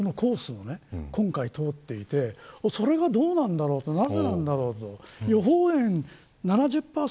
その予報円の中の一番西側のコースを今回、通っていてそれがどうなんだろうなぜなんだろうと。